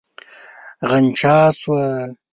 غنجا شوه.